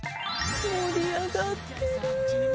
盛り上がってる。